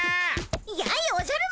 やいっおじゃる丸